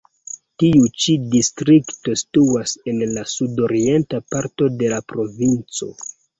Tiu ĉi distrikto situas en la sudorienta parto de la provinco.